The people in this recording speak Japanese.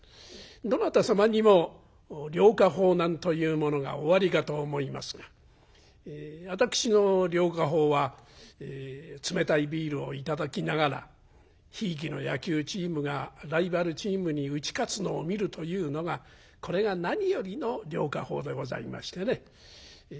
どなた様にも涼化法なんというものがおありかと思いますが私の涼化法は冷たいビールを頂きながらひいきの野球チームがライバルチームに打ち勝つのを見るというのがこれが何よりの涼化法でございましてね。